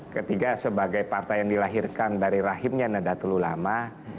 ketiga sebagai partai yang dilahirkan dari rahimnya nadatul ulama